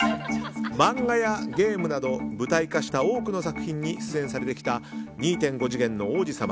漫画やゲームなど舞台化した多くの作品に出演されてきた２．５次元の王子様